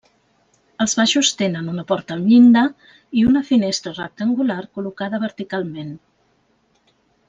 Els baixos tenen una porta amb llinda i una finestra rectangular col·locada verticalment.